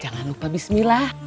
jangan lupa bismillah